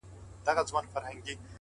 نیک اخلاق د انسان تلپاتې ښکلا ده,